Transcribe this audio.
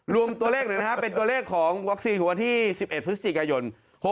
รวมตัวเลขหน่อยนะครับเป็นตัวเลขของวัคซีนของวันที่๑๑พฤศจิกายน๖๖